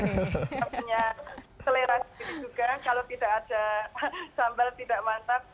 maksudnya selera sendiri juga kalau tidak ada sambal tidak mantap